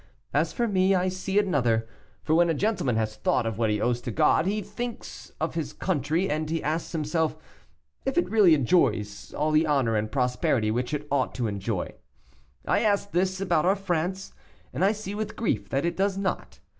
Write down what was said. As for me, I see another; for when a gentleman has thought of what he owes to God, he then thinks of his country, and he asks himself if it really enjoys all the honor and prosperity which it ought to enjoy. I ask this about our France, and I see with grief that it does not.